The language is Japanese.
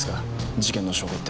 事件の証拠って。